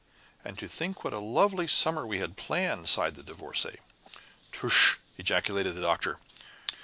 "And to think what a lovely summer we had planned," sighed the Divorcée. "Tush!" ejaculated the Doctor.